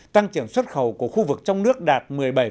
tăng trưởng xuất khẩu của khu vực trong nước đạt một mươi bảy